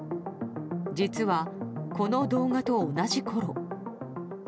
実は、この動画と同じころ。